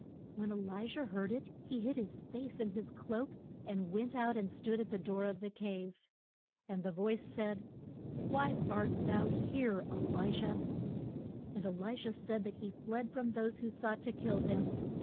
When E li jah heard it he hid his face in his cloak, and went out and stood at the door of the cave. And the voice said, Why art thou here, E li jah? And El li jah said that he fled from those who sought to kill him.